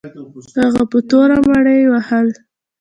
هغه په توره مړي وهل.